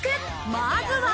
まずは。